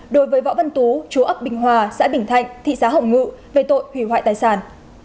đối với võ văn tú chú ấp bình hòa xã bình thạnh thị xã hồng ngự về tội hủy hoại tài sản